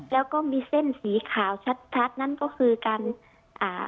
แล้วก็มีเส้นสีขาวชัดชัดนั่นก็คือการอ่า